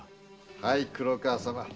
はい黒河様。